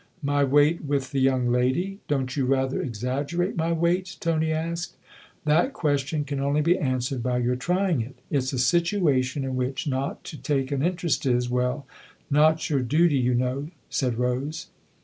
" My weight with the young lady ? Don't you rather exaggerate my weight ?" Tony asked. "That question can only be answered by your trying it. It's a situation in which not to take an interest is well, not your duty, you know," said Rose.